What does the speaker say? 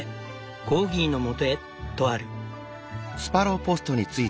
コーギーのもとへ」とある。